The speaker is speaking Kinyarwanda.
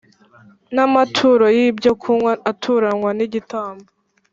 N amaturo y ibyokunywa aturanwa n igitambo